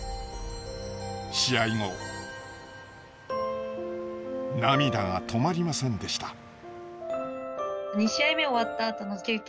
試合後涙が止まりませんでした。